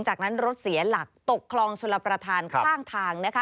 จากนั้นรถเสียหลักตกคลองชลประธานข้างทางนะคะ